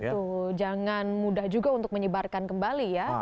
betul jangan mudah juga untuk menyebarkan kembali ya